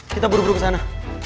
kita buru buru ke sana